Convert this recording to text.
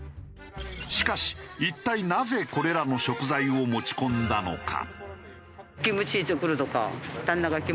しかし一体なぜこれらの食材を持ち込んだのか？